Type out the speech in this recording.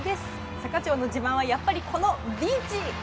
坂町の自慢は、やっぱりこのビーチ。